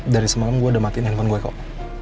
dari semalam gue udah matiin handphone gue kok